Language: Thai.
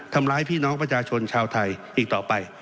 ทำร้ายพี่น้องประชาชนชาวไทยอีกต่อไป